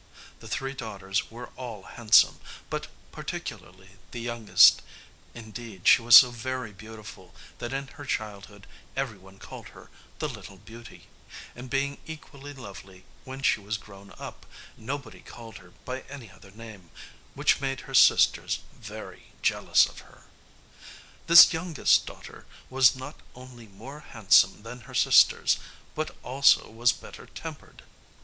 The three daughters were all handsome, but particularly the youngest; indeed, she was so very beautiful that in her childhood every one called her the Little Beauty; and being equally lovely when she was grown up, nobody called her by any other name, which made her sisters very jealous of her. This youngest daughter was not only more handsome than her sisters, but also was better tempered.